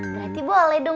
berarti boleh dong